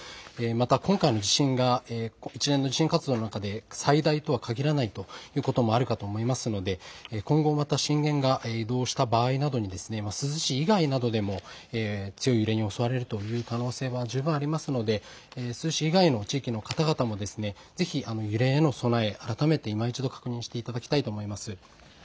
今回の地震が一連の活動の中で最大とは限らないということもあると思いますので今後また震源が移動した場合などに珠洲市以外などでも強い揺れに襲われるという可能性も十分ありますので珠洲市以外の地域の方々もぜひ揺れへの備え、改めていま一度確認していただきたいと思います。